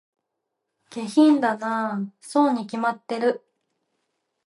下品だなぁ、そうに決まってる